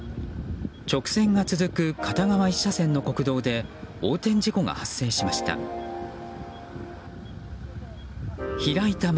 直線が続く片側１車線の国道で横転事故が発生しました。